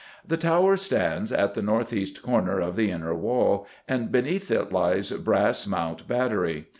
The tower stands at the north east corner of the Inner Wall, and beneath it lies Brass Mount battery.